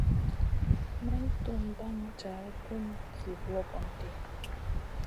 May tun ɓaŋ jar gun zi ɓlogom ɗi.